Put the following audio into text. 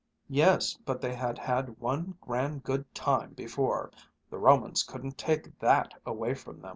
"Yes, but they had had one grand good time before! The Romans couldn't take that away from them!